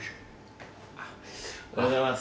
おはようございます。